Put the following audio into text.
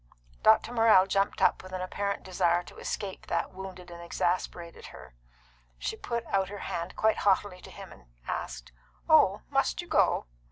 Dr. Morrell jumped up with an apparent desire to escape that wounded and exasperated her. She put out her hand quite haughtily to him and asked, "Oh, must you go?"